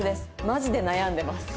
マジで悩んでます」